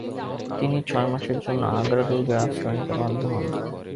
তিনি ছয় মাসের জন্য আগ্রা দুর্গে আশ্রয় নিতে বাধ্য হন।